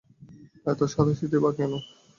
এত সাধাসাধিই বা কেন?